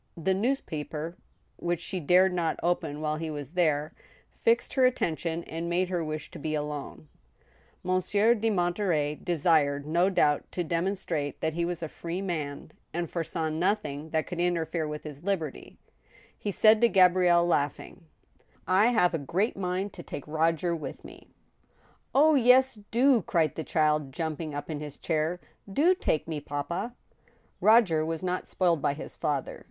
The newspaper, which she dared not open while he was there, fixed her attention, and made her wish to be alone. 128 THE STEEL HAMMER. Monsieur de Monterey desired, no cloubt, to demonstrate that he w^ a free man, and foresaw nothing that could interfere with his Hberty. He said to Gabrielle, laughing :" I have a great mind to take Roger with me." " Oh, yes— do !" cried the child, jumping up in his chair —" do take me, papa," Roger was not spoiled by his father.